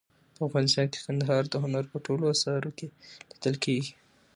په افغانستان کې کندهار د هنر په ټولو اثارو کې لیدل کېږي.